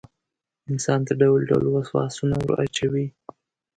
انسان ته ډول ډول وسواسونه وراچوي.